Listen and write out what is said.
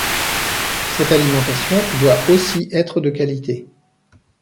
Cette alimentation doit aussi être de qualité.